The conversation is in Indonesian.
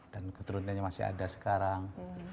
dan keturunannya masih ada sekarang